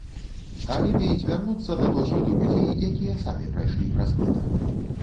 А лепей звярнуцца да досведу людзей, якія самі прайшлі праз гэта.